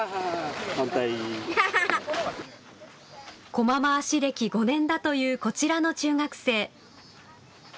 こま回し歴５年だというこちらの中学生。